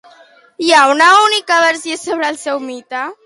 Hi ha una única versió sobre el seu mite?